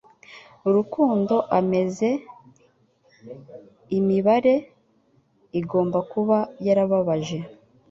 Rukundo ameze, imibare igomba kuba yarababaje